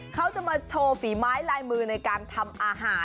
เขาจะมาโชว์ฝีไม้ลายมือในการทำอาหาร